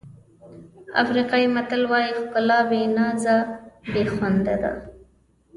افریقایي متل وایي ښکلا بې نازه بې خونده ده.